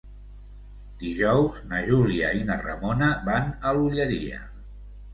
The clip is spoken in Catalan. Dijous na Júlia i na Ramona van a l'Olleria.